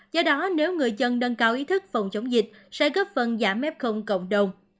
do đó nếu người dân nâng cao ý thức phòng chống dịch sẽ góp phần giảm f cộng đồng